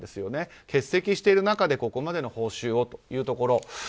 欠席している中でここまでの報酬をというところ。